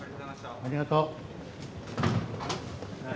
ありがとう。